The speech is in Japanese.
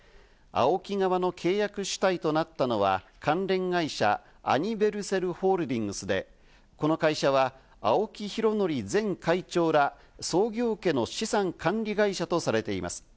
ＡＯＫＩ側の契約主体となったのは、関連会社アニヴェルセルホールディングスで、この会社は青木拡憲前会長ら創業家の資産管理会社とされています。